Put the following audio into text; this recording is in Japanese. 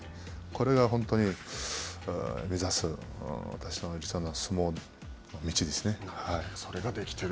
これが本当に目指す私の理想の相撲の道ですね。